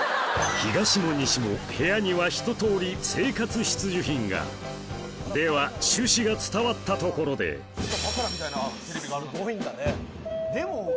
東も西も部屋には一通り生活必需品がでは趣旨が伝わったところではい。